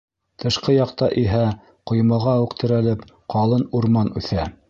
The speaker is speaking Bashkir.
Тышҡы яҡта иһә, ҡоймаға уҡ терәлеп, ҡалын урман үҫә.